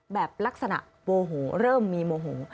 แบบลักษณะโมโหเริ่มมีโมโห